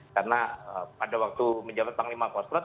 karena pada waktu menjawab panglima kostrat